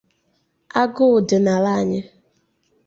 Agụụ dị n'ala anyị